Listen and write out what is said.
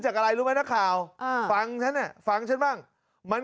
จากอะไรรู้ไหมนะข่าวอ่าฟังฉันเนี่ยฟังฉันบ้างมัน